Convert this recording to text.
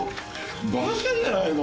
バカじゃないの？